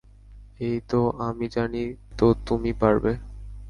এইতো, আমি জানি তো তুমি পারবে।